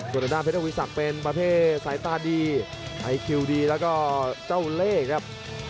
ตรงด้านเพชรทวีสักเป็นประเภทสายตราดีไอไคิวดีและก็เจ้าเลขครับ